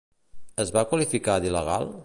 Es va qualificar d'il·legal?